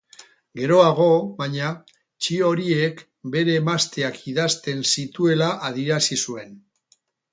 Geroago, baina, txio horiek bere emazteak idazten zituela adierazi zuen.